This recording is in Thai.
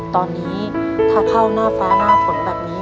ตอนนี้ถ้าเข้าหน้าฟ้าหน้าฝนแบบนี้